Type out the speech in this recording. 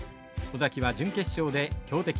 尾崎は準決勝で強敵